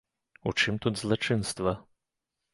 У чым тут злачынства?